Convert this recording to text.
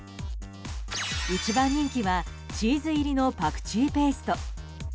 １番人気はチーズ入りのパクチーペースト。